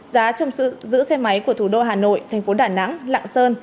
giá trồng giữ xe máy của thủ đô hà nội thành phố đà nẵng lạng sơn